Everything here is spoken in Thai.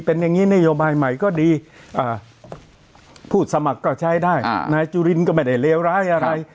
เป็นอย่างนี้นโยบายใหม่ก็ดีผู้สมัครก็ใช้ได้นายจุลินก็ไม่ได้เลวร้ายอะไร